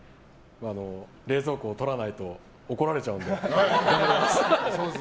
冷蔵庫をとらないと怒られちゃうので頑張ります！